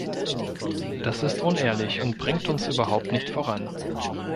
Das ist unehrlich und bringt uns überhaupt nicht voran.